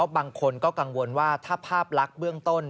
บางคนก็กังวลว่าถ้าภาพลักษณ์เบื้องต้น